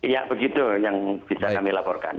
ya begitu yang bisa kami laporkan